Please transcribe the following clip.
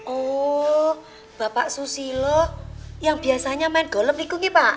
oh bapak susilo yang biasanya main golem likui pak